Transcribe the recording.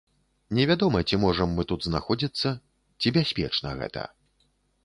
Невядома, ці можам мы тут знаходзіцца, ці бяспечна гэта.